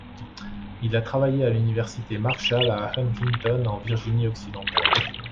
Il a travaille à l'université Marshall à Huntington en Virginie-Occidentale.